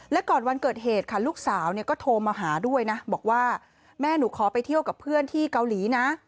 และก่อนวันเกิดเหตุค่ะลูกสาวเนี่ยก็โทรมาหาด้วยนะบอกว่าแม่หนูขอไปเที่ยวกับเพื่อนที่เกาหลีนะ